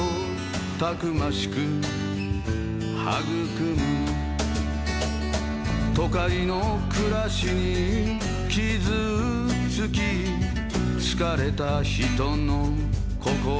「たくましく育む」「都会の暮らしに傷付き」「疲れた人の心に」